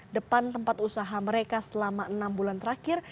depan tempat usaha mereka selama enam bulan terakhir